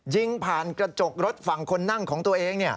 ยิงผ่านกระจกรถฝั่งคนนั่งของตัวเอง